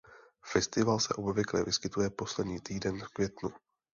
Festival se obvykle vyskytuje poslední týden v květnu.